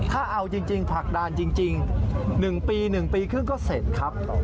ถ้าเอาจริงผลักดันจริง๑ปี๑ปีครึ่งก็เสร็จครับ